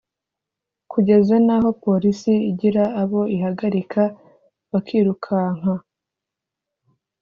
kugeza n’aho Polisi igira abo ihagarika bakirukanka